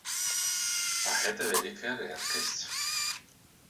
А гэта вялікая рэдкасць.